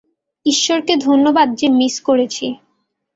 ঈশ্বরকে ধন্যবাদ যে মিস করেছি!